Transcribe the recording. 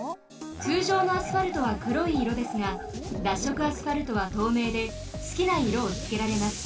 つうじょうのアスファルトはくろいいろですが脱色アスファルトはとうめいですきないろをつけられます。